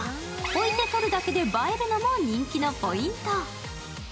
置いて撮るだけで映えるのも人気のポイント。